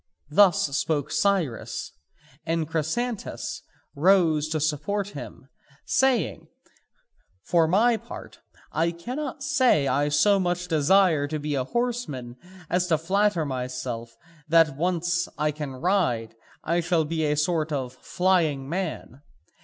Thus spoke Cyrus, and Chrysantas rose to support him, saying: "For my part I cannot say I so much desire to be a horseman as flatter myself that once I can ride I shall be a sort of flying man.